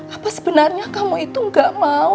apa sebenarnya kamu itu gak mau